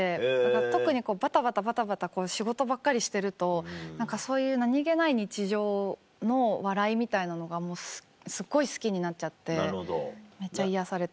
特にバタバタバタバタ仕事ばっかりしてると何かそういう何げない日常の笑いみたいなのがすっごい好きになっちゃってめっちゃ癒やされてます。